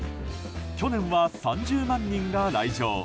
去年は３０万人が来場。